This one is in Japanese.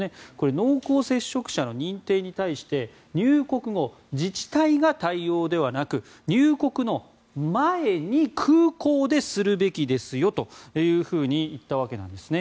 濃厚接触者の認定に対して入国後、自治体が対応ではなく入国の前に空港でするべきですよと言ったわけですね。